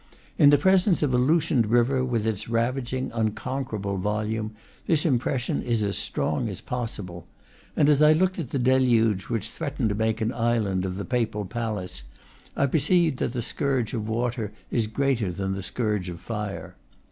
In the presence of a loosened river, with its ravaging, unconquerable volume, this impression is as strong as possible; and as I looked at the deluge which threatened to make an island of the Papal palace, I perceived that the scourge of water is greater than the scourge of fire.